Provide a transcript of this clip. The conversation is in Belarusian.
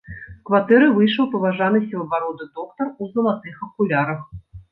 З кватэры выйшаў паважаны сівабароды доктар у залатых акулярах.